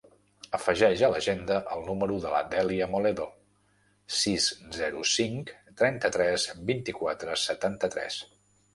Afegeix a l'agenda el número de la Dèlia Moledo: sis, zero, cinc, trenta-tres, vint-i-quatre, setanta-tres.